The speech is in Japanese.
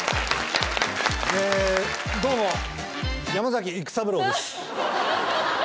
えどうも。